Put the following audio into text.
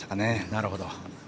なるほど。